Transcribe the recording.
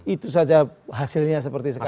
itu saja hasilnya seperti sekarang